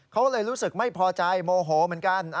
เขาเลยรู้สึกไม่พอใจโมโหเหมือนกัน